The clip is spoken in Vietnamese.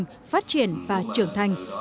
hình thành phát triển và trưởng thành